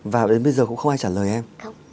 và đến bây giờ cũng không ai trả lời em